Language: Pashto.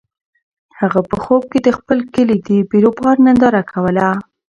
هغه په خوب کې د خپل کلي د بیروبار ننداره کوله.